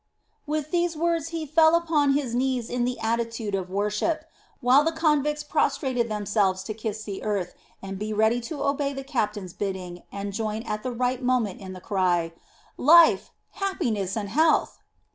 With these words he fell upon his knees in the attitude of worship, while the convicts prostrated themselves to kiss the earth and be ready to obey the captain's bidding and join at the right moment in the cry: "Life, happiness, and health!"